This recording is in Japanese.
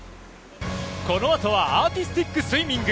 このあとはアーティスティックスイミング。